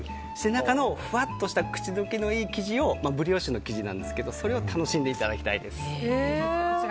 中のふわっとした口溶けのいい生地ブリオッシュの生地なんですがそれを楽しんでいただきたいです。